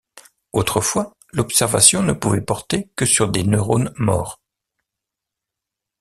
Autrefois, l'observation ne pouvait porter que sur des neurones morts.